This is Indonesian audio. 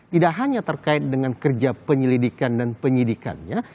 tidak hanya terkait dengan kerja penyelidikan dan penyidikannya